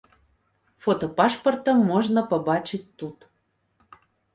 Фота пашпарта можна пабачыць тут.